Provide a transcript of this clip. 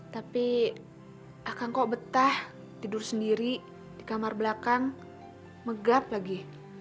tapi akan kok betah tidur sendiri di kamar belakang megap lagi